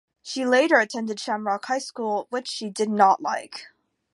She later attended Shamrock High School, which she did not like.